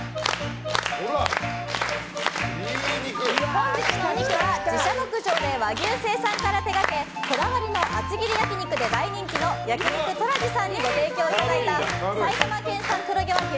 本日のお肉は自社牧場で和牛の生産から手掛けこだわりの厚切り焼き肉で大人気の焼肉トラジさんにご提供いただいた埼玉県産黒毛和牛